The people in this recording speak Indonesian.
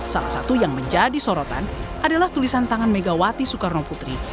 salah satu yang menjadi sorotan adalah tulisan tangan megawati soekarno putri